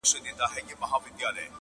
چي له لاسه مي دهقان لره كور اور سو-